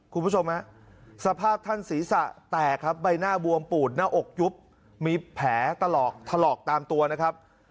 คุณผู้ชมฮะสภาพท่านศีรษะแตกครับใบหน้าบวมปูดหน้าอกยุบมีแผลตลอดถลอกตามตัวนะครับ